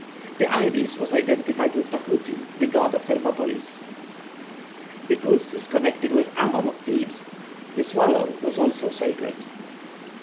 The ibis was identified with Tahuti, the god of Hermopolis. The goose is connected with Amon of Thebes. The swallow was also sacred.